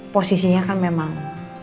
posisinya kan memang